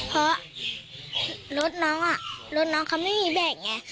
เพราะรถน้องรถน้องเขาไม่มีแบ่งไง